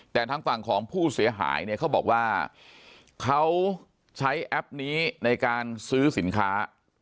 แต่ทางฝั่งของผู้เสียหายเนี่ยเขาบอกว่าเขาใช้แอปนี้ในการซื้อสินค้า